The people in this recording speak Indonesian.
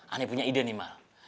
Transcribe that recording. aneh punya ide nih mbak